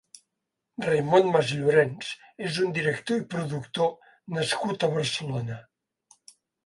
Raimon Masllorens és un director i productor nascut a Barcelona.